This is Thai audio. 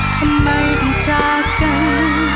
ทำไมต้องจากกัน